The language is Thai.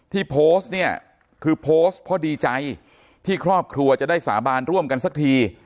ที่โพสต์เนี่ยคือโพสต์เพราะดีใจที่ครอบครัวจะได้สาบานร่วมกันสักที